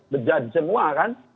berjudge semua kan